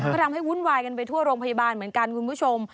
ก็ทำให้วุ่นวายกันไปทั่วโรงพยาบาลเหมือนกันคุณผู้ชม